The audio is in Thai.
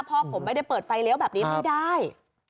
พ่อผมไม่ได้เปิดไฟเลี้ยวแบบนี้ไม่ได้